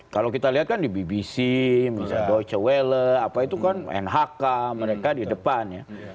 kalau kita lihat kan di bbc misal deutsche welle apa itu kan nhk mereka di depannya